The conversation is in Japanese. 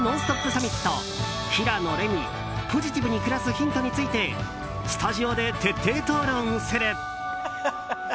サミット平野レミ、ポジティブに暮らすヒントについてスタジオで徹底討論する。